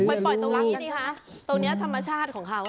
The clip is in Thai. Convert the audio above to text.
ไปปล่อยตัวน้องนี้ดีครับตัวนี้ธรรมชาติของเขา